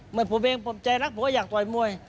เหมือนผมเองผมใจรักผมก็อยากต่อยมวย